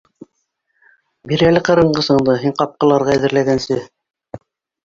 Бир әле ҡырынғысыңды, һин ҡапҡыларға әҙерләгәнсе